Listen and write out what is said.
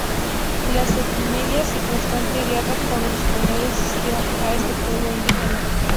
Las epidemias y la constante guerra con los españoles extinguió a este pueblo indígena.